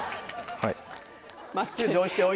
はい。